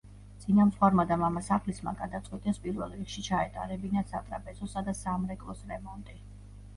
წინამძღვარმა და მამასახლისმა გადაწყვიტეს პირველ რიგში ჩაეტარებინათ სატრაპეზოსა და სამრეკლოს რემონტი.